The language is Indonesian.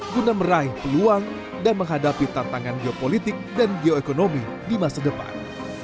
guna meraih peluang dan menghadapi tantangan geopolitik dan geoekonomi di masa depan